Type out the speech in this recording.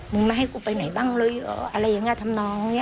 มึงมาให้กูไปไหนบ้างเลยอ่าอะไรอย่างง่ายทำนองนี่